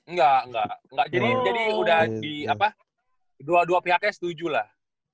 enggak enggak enggak jadi udah di apa dua dua pihaknya setuju lah